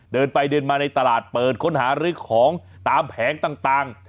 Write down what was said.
เดินไปเดินมาในตลาดเปิดค้นหาลื้อของตามแผงต่าง